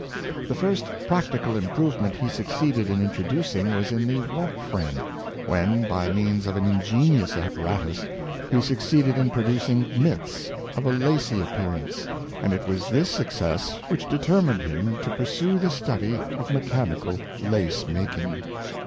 The first practi 218 yolin Heathcot cal improvement he succeeded in introducing was in the warp frame, when, by means of an ingenious apparatus, he succeeded in producing " mitts " of a lacey appear ance; and it was this success which determined him to pursue the study of mechanical lace making.